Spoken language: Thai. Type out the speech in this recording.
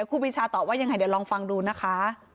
ครูปีชาตอบว่ายังไงเดี๋ยวลองฟังดูนะคะ